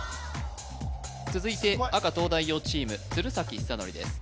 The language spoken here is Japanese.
続いて赤東大王チーム鶴崎修功です